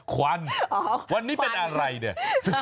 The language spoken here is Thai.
ควันวันนี้เป็นอะไรเนี่ย